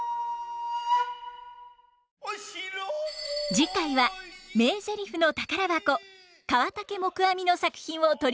次回は名ゼリフの宝箱河竹黙阿弥の作品を取り上げます。